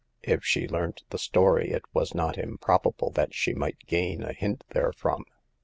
If she learnt the story, it was not improbable that she might gain a hint therefrom.